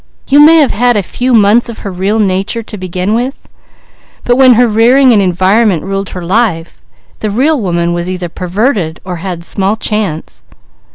"You may have had a few months of her real nature to begin with, but when her rearing and environment ruled her life, the real woman was either perverted or had small chance.